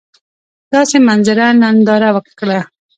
داسي منظره ننداره کړه !